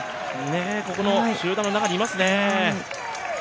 この集団の中にいますね。